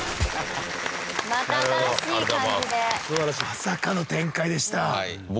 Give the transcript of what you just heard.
まさかの展開でした。